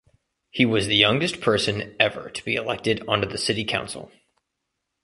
He was the youngest person ever to be elected onto the city council.